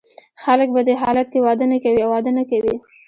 خلګ په دې حالت کې واده نه کوي او واده نه کوي.